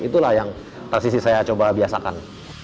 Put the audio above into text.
itulah yang transisi saya coba biasakan